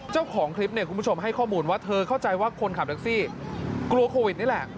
เจ้าของคลิปเนี่ยคุณผู้ชมให้ข้อมูลว่าเธอเข้าใจว่าคนขับแท็กซี่กลัวโควิดนี่แหละ